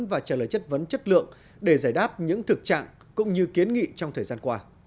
và trả lời chất vấn chất lượng để giải đáp những thực trạng cũng như kiến nghị trong thời gian qua